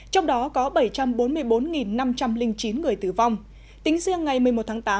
trong đó có bảy trăm bốn mươi bốn năm trăm linh chín người tử vong tính riêng ngày một mươi một tháng tám